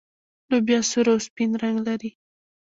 لوبیا سور او سپین رنګ لري.